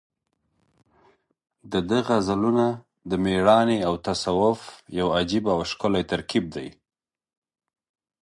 د ده غزلونه د مېړانې او تصوف یو عجیبه او ښکلی ترکیب دی.